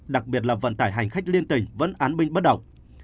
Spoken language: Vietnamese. đặc biệt là vận tải hành khách liên tỉnh vẫn án binh bất động